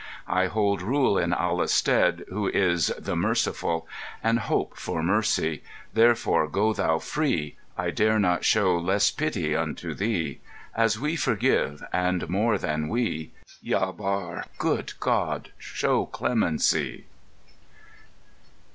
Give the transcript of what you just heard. I hold rule In Allah's stead, who is 'the Merciful,' And hope for mercy; therefore go thou free I dare not show less pity unto thee." As we forgive and more than we Ya Barr! Good God, show clemency.